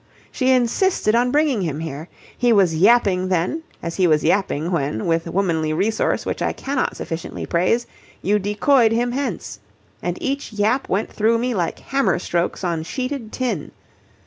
She insisted on bringing him here. He was yapping then, as he was yapping when, with womanly resource which I cannot sufficiently praise, you decoyed him hence. And each yap went through me like hammer strokes on sheeted tin.